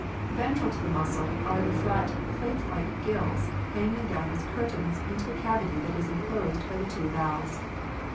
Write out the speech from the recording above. Ventral to the muscle are the flat plate like gills hanging down as curtains into the cavity that is enclosed by the two valves.